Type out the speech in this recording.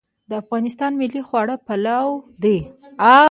د افغانستان ملي خواړه پلاو دی